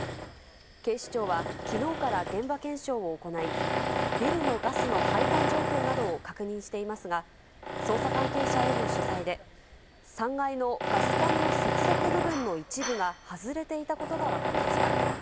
警視庁は、きのうから現場検証を行い、ビルのガスの配管状況などを確認していますが、捜査関係者への取材で、３階のガス管の接続部分の一部が外れていたことが分かりました。